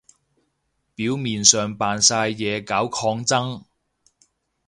表面上扮晒嘢搞抗爭